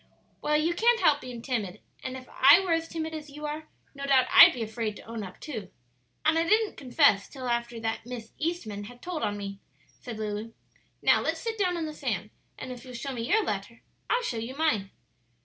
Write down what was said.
"Well, you can't help being timid; and if I were as timid as you are, no doubt I'd be afraid to own up too; and I didn't confess till after that Miss Eastman had told on me," said Lulu. "Now let's sit down on the sand, and if you'll show me your letter, I'll show you mine."